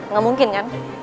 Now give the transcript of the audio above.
gak mungkin kan